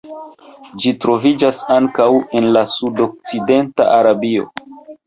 Ĝi troviĝas ankaŭ en sudokcidenta Arabio.